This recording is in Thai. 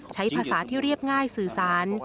ใช้ภาษาที่เรียบง่ายสื่อสาร